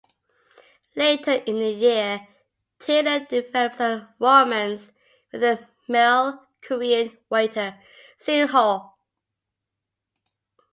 Later in the year, Taylor develops a romance with a male Korean waiter, Seung-Ho.